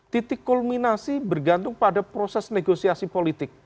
titik kulminasi bergantung pada proses negosiasi politik